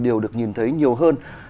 điều được nhìn thấy nhiều hơn